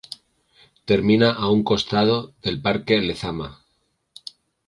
Termina a un costado del Parque Lezama.